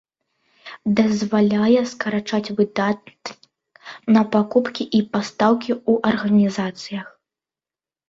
Дазваляе скарачаць выдаткі на пакупкі і пастаўкі ў арганізацыях.